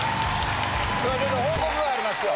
今日はちょっと報告がありますよ。